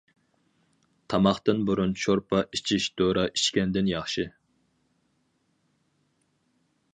تاماقتىن بۇرۇن شورپا ئىچىش دورا ئىچكەندىن ياخشى.